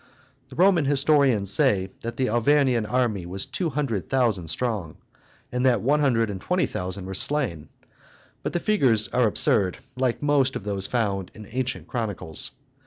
The Roman historians say that the Arvernian army was two hundred thousand strong, and that one hundred and twenty thousand were slain; but the figures are absurd, like most of those found in ancient chronicles.